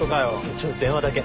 ちょっと電話だけ。